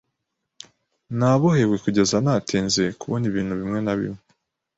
Nabohewe kugeza natinze kubona ibintu bimwe na bimwe.